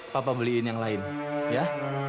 papa beliin yang lainnya